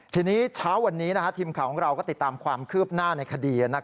ทีนี้เช้าวันนี้ทีมข่าวของเราก็ติดตามความคืบหน้าในคดี